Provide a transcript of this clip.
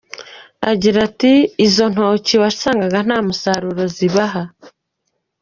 Agira ati “ izo ntoki wasangaga nta musaruro zibaha.